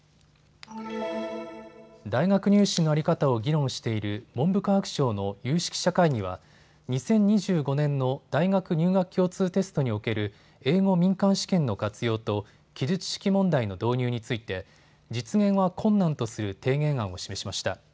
大学入試の在り方を議論している文部科学省の有識者会議は２０２５年の大学入学共通テストにおける英語民間試験の活用と記述式問題の導入について実現は困難とする提言案を示しました。